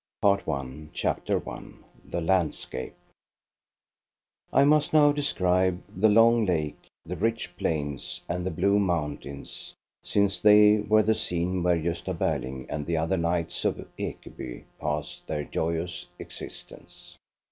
• PART I CHAPTER I THE LANDSCAPE I MUST now describe the long lake, the rich plains and the blue mountains, sipce they were the scene where Gosta Berling and the other knights of Ekeby passed their joyous existence.